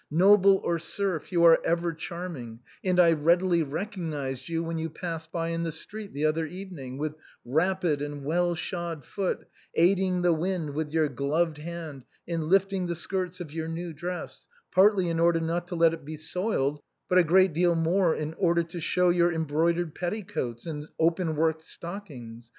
Noble or serf, you are ever charming, and I readily recognized you when you passed by in the street the other evening, with rapid and well shod foot, aiding the wind with your gloved hand in lifting the skirts of your new dress, partly in order not to let it be soiled, but a great deal more in order to show your embroi dered petticoats, and openworked stockings.